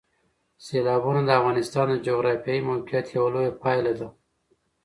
سیلابونه د افغانستان د جغرافیایي موقیعت یوه لویه پایله ده.